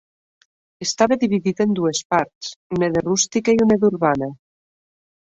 Estava dividida en dues parts, una de rústica i una d'urbana.